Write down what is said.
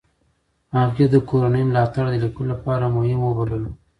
هغې د کورنۍ ملاتړ د لیکلو لپاره مهم وبللو.